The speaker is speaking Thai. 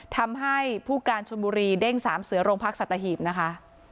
ทำให้ผู้การชนบุรีเด้งสามเสือโรงพักสัตหีบนะคะ